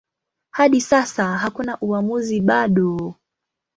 Hadi sasa hakuna uamuzi bado.